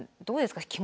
どうですか？